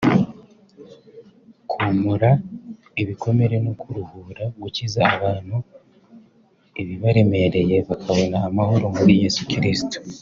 komora ibikomere no kuruhura (gukiza) abantu ibibaremereye bakabona amahoro muri Yesu Kristo